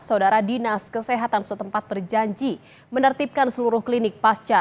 saudara dinas kesehatan setempat berjanji menertibkan seluruh klinik pasca